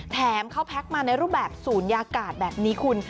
แถมเขาแพ็คมาในรูปแบบศูนยากาศแบบนี้คุณ